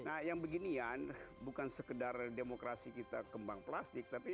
nah yang beginian bukan sekedar demokrasi kita kembang plastik tapi